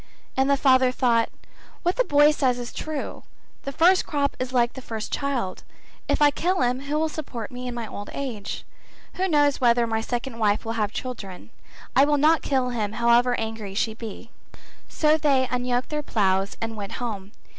And the father thought 'What the boy says is true; the first crop is like the first child, if I kill him who will support me in my old age? Who knows whether my second wife will have children. I will not kill him however angry she be;' so they unyoked their ploughs and went home.